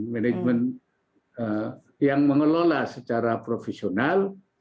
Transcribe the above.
manajemen yang mengelola secara profesional